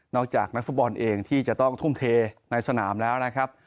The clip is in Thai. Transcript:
จากนักฟุตบอลเองที่จะต้องทุ่มเทในสนามแล้วนะครับ